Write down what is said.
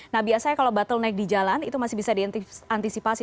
nah biasanya kalau bottle naik di jalan itu masih bisa diantisipasi